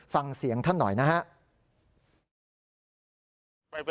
ฟังเสียงท่านหน่อยนะครับ